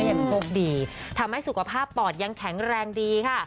ยังโชคดีทำให้สุขภาพปอดยังแข็งแรงดีค่ะ